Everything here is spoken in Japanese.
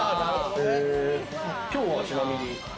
今日はちなみに？